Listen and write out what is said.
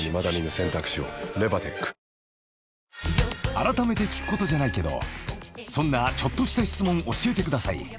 ［あらためて聞くことじゃないけどそんなちょっとした質問教えてください］